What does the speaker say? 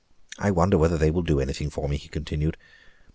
I wonder whether they will do anything for me," he continued.